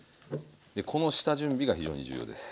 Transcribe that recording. この下準備が非常に重要です。